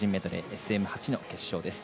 ＳＭ８の決勝です。